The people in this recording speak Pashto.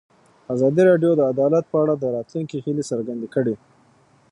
ازادي راډیو د عدالت په اړه د راتلونکي هیلې څرګندې کړې.